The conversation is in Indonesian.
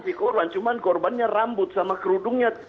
si korban cuma korbannya rambut sama kerudungnya